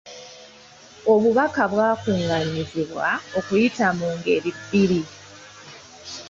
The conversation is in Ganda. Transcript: Obubaka bwakungaanyizibwa okuyita mu ngeri bbiri.